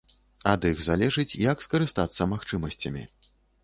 Ад іх залежыць, як скарыстацца магчымасцямі.